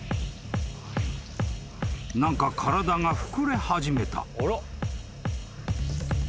［何か体が膨れ始めた］